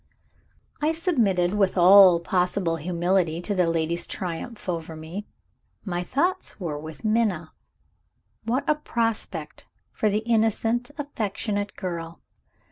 I submitted with all possible humility to the lady's triumph over me. My thoughts were with Minna. What a prospect for the innocent, affectionate girl!